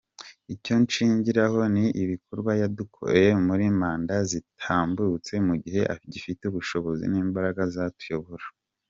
Icyo nshingiraho ni ibikorwa yadukoreye muri manda zitambutse mugihe agifite ubushobozi n'imbaraga azatuyobore.